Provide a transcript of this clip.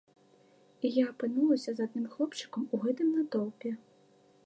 І я апынулася з адным хлопчыкам у гэтым натоўпе.